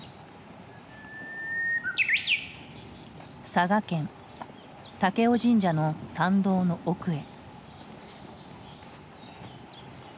佐賀県武雄神社の参道の奥へ。